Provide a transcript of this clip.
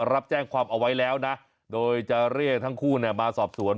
รับแจ้งความเอาไว้แล้วนะโดยจะเรียกทั้งคู่มาสอบสวน